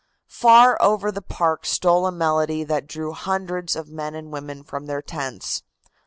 Far over the park stole a melody that drew hundreds of men and women from their tents.